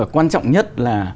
quan trọng nhất là